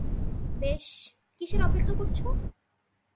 বেশ, কীসের অপেক্ষা করছো?